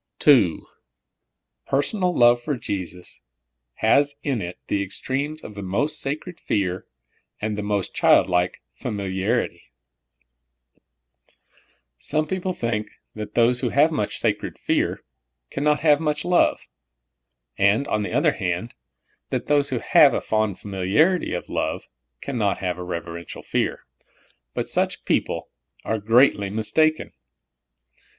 II. Personal love for Jesus has in it the extremes of the most sacred fear and the most child like famil iarit3^ Some people think that those who have much sacred fear can not have much love ; and, on the other hand, that those who have a fond familiarity of love can not have a reverential fear ; but such people are greatly mistaken.